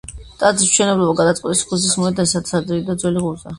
ტაძრის მშენებლობა გადაწყვიტეს ღუზის მოედანზე, სადაც ადრე იდო ძველი ღუზა.